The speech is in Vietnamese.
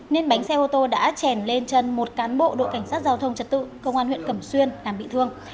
nên bánh xe ô tô đã trèn lên chân một cán bộ đội cảnh sát giao thông trật tự công an huyện cẩm xuyên làm bị thương